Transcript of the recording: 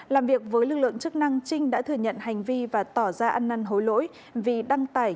làm việc với lực lượng chức năng trinh đã thừa nhận hành vi và tỏ ra ăn năn hối lỗi vì đăng tải